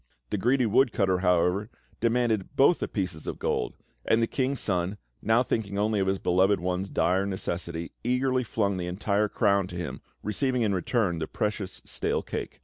The greedy woodcutter, however, demanded both the pieces of gold; and the King's Son, now thinking only of his beloved one's dire necessity, eagerly flung the entire crown to him, receiving in return the precious stale cake.